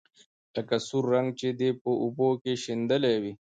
لکه سور رنګ چې دې په اوبو کې شېندلى وي.